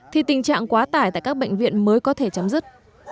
thì tình trạng quá tải tại các bệnh viện mới có thể chấm dứt